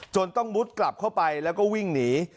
จนต้องมุดกลับเข้าไปแล้วก็วิ่งหนี